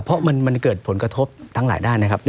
เพราะมันเกิดผลกระทบทั้งหลายด้านนะครับ